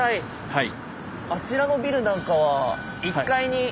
はい。